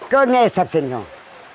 có nghe sạch sinh không